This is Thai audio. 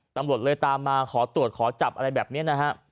ตำรวจเลยตามมาขอตรวจขอจับอะไรแบบนี้นะฮะ